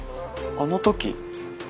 あの時？